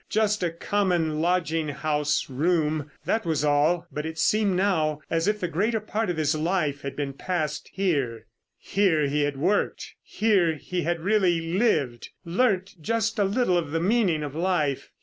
Just a common lodging house room, that was all, but it seemed now as if the greater part of his life had been passed here. Here he had worked; here he had really lived, learnt just a little of the meaning of life.